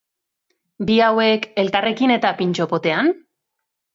Bi hauek, elkarrekin eta pintxo-potean?